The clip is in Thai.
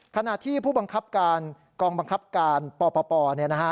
ขณะที่ผู้บังคับการกองบังคับการปปเนี่ยนะฮะ